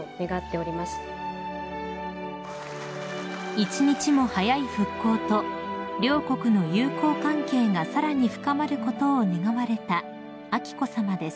［一日も早い復興と両国の友好関係がさらに深まることを願われた彬子さまです］